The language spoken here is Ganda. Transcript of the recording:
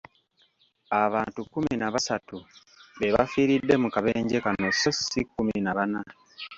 Abantu kumi na basatu be bafiiridde mu kabenje kano sso si kumi na bana.